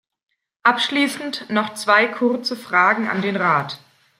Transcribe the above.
Abschließend noch zwei kurze Fragen an den Rat.